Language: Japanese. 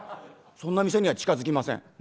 そんな店には近づきません」。